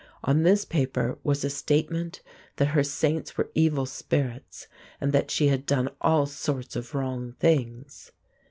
On this paper was a statement that her saints were evil spirits, and that she had done all sorts of wrong things.